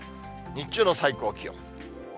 日中の最高気温。